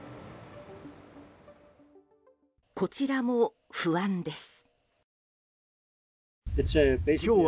こちらも不安です。